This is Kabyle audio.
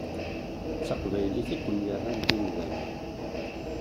D taqbaylit i ken-yerran d imdanen.